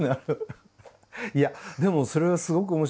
いやでもそれはすごく面白い。